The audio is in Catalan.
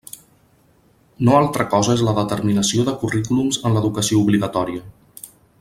No altra cosa és la determinació de currículums en l'educació obligatòria.